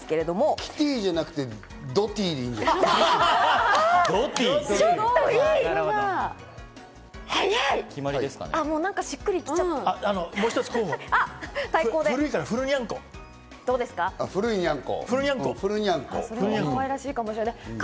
キティじゃなくて、土ティでいいんじゃないですか？